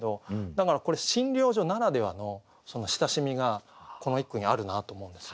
だからこれ診療所ならではのその親しみがこの一句にあるなと思うんですよ。